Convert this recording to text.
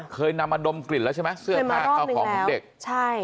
เคยนำมาดมกลิ่นแล้วใช่ไหมเคยมารอบหนึ่งแล้วเอาของของเด็กใช่